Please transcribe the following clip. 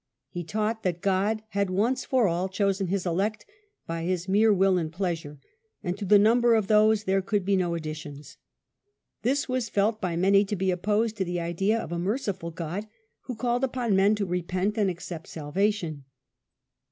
He taught that God had once for all cjhosen His elect by His mere will and pleasure, and to the number of those there could be no additions. This was felt by many to be opposed to the idea of a merciful God who called upon men to repent and accept salvation.